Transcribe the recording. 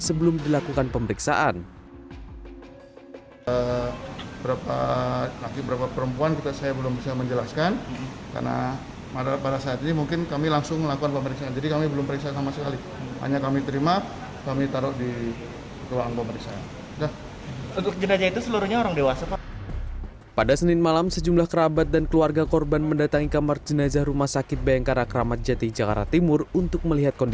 sebelum dilakukan pemeriksaan